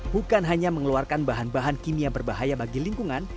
bukan hanya mengeluarkan bahan bahan kimia berbahaya bagi lingkungan